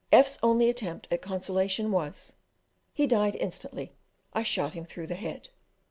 F 's only attempt at consolation was, "he died instantly; I shot him through the head."